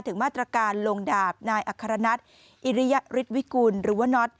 ถึงมาตรการลงดาบนายอัครนัทอิริยฤทธิวิกุลหรือว่าน็อต